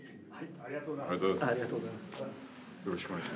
ありがとうございます。